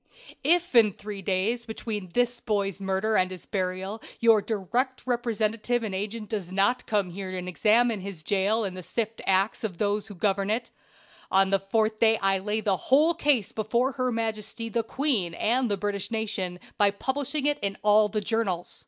"If in the three days between this boy's murder and his burial your direct representative and agent does not come here and examine this jail and sift the acts of those who govern it, on the fourth day I lay the whole case before her majesty the queen and the British nation, by publishing it in all the journals.